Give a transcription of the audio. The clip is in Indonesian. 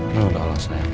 ya udah lah sayang